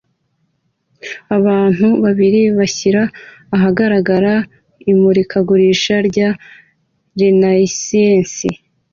Abantu babiri bashyira ahagaragara imurikagurisha rya Renaissance